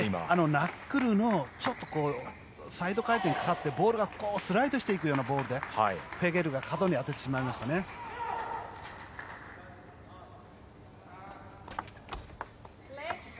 ナックルのサイド回転かかってボールがスライドしていくようなボールでフェゲルが角に当ててしまいましたね。